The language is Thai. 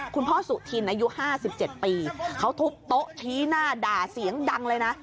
คุณพ่อสุธินอายุ๕๗ปีเขาทุบโต๊ะชี้หน้าด่าเสียงดังเลยนะ